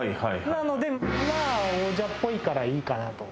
なのでまあ王者っぽいからいいかなと。